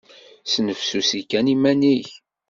Snefsusi kan iman-nnek.